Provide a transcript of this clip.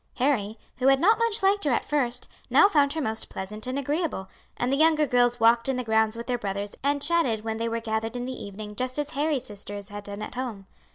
Harry, who had not much liked her at first, now found her most pleasant and agreeable, and the younger girls walked in the grounds with their brothers and chatted when they were gathered in the evening just as Harry's sisters had done at home.